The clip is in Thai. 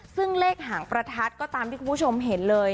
ซึ่งเลขหางประทัดก็ตามที่คุณผู้ชมเห็นเลย